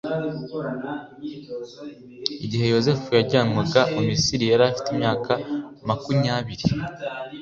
igihe yozefu yajyanwaga mu misiri yari afite imyaka makunyabiri.